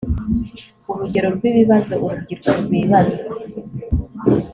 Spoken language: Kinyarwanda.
urugero rw’ibibazo urubyiruko rwibaza